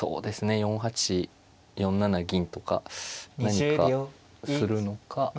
４八４七銀とか何かするのか。